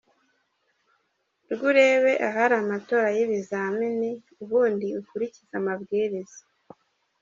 rw, urebe ahari amanota y’ibizamini, ubundi ukurikize amabwiriza.